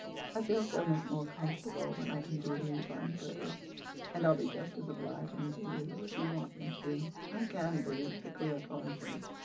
I feel so much more comfortable when I can believe I'm pretty. And I'll be just as obliging to you if you want me to—I can be, with a clear conscience."